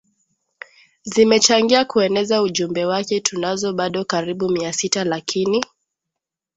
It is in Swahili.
zimechangia kueneza ujumbe wake Tunazo bado karibu Mia sita lakini